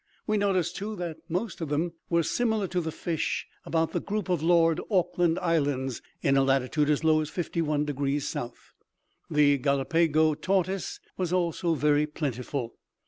We noticed, too, that most of them were similar to the fish about the group of Lord Auckland Islands, in a latitude as low as fifty one degrees south. The Gallipago tortoise was also very plentiful.